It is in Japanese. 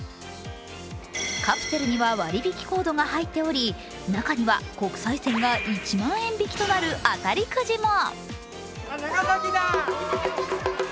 カプセルには割引コードが入っており中には国際線が１万円引きとなる当たりくじも。